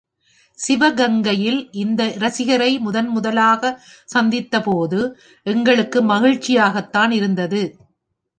சிவகங்கையில் இந்த இரசிகரை முதன்முதலாகச் சந்தித்த போது எங்களுக்கு மகிழ்ச்சியாகத்தான் இருந்தது.